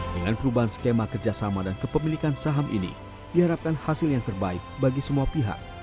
dengan perubahan skema kerjasama dan kepemilikan saham ini diharapkan hasil yang terbaik bagi semua pihak